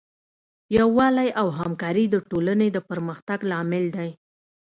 یووالی او همکاري د ټولنې د پرمختګ لامل دی.